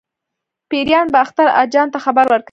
پیریان باختر اجان ته خبر ورکوي.